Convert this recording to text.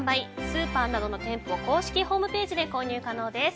スーパーなどの店舗公式ホームページで購入可能です。